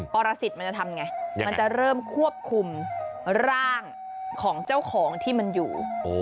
ปรสิทธิ์มันจะทำไงมันจะเริ่มควบคุมร่างของเจ้าของที่มันอยู่